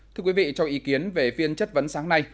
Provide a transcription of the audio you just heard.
thưa quý vị cho ý kiến về phiên chất vấn sáng nay